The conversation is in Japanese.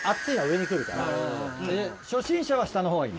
初心者は下のほうがいい？